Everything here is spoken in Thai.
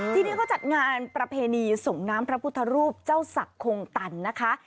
ที่นี่เขาจัดงานประเพณีส่งน้ำพระพุทธรูปเจ้าศักดิ์คงตันนะคะ